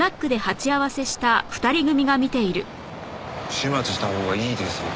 始末したほうがいいですよ。